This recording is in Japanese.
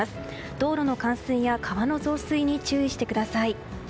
道路の冠水や川の増水に注意してください。